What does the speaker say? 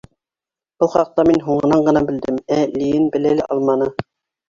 Был хаҡта мин һуңынан ғына белдем, ә Лиен белә лә алманы...